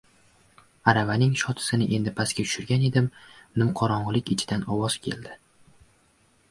Aravaning shotisini endi pastga tushirgan edim, nimqorong‘ilik ichidan ovoz keldi;